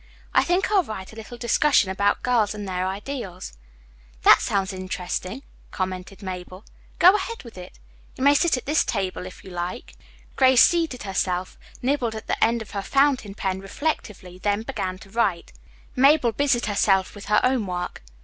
"I think I'll write a little discussion about girls and their ideals." "That sounds interesting," commended Mabel. "Go ahead with it. You may sit at this table, if you like." Grace seated herself, nibbled at the end of her fountain pen reflectively, then began to write. Mabel busied herself with her own work.